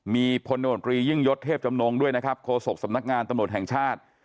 มีพลโนตรียิ่งยศเทพจำนงด้วยนะครับโคศกสำนักงานตำรวจแห่งชาติ